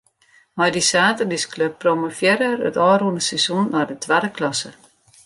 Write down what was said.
Mei dy saterdeisklup promovearre er it ôfrûne seizoen nei de twadde klasse.